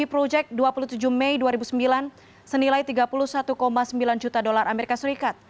percobaan bk yang telah diadakan adalah rp tiga puluh tujuh